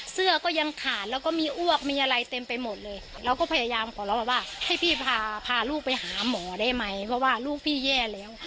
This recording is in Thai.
เสื้อก็ยังขาดแล้วก็มีอ้วกมีอะไรเต็มไปหมดเลยเราก็พยายามขอร้องว่าให้พี่พาพาลูกไปหาหมอได้ไหมเพราะว่าลูกพี่แย่แล้ว